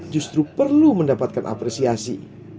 justru perlu mendapatkan apresiasi